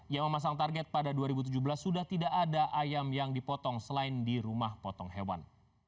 yang memasang target pada dua ribu tujuh belas sudah tidak ada ayam yang dipotong selain di rumah potong hewan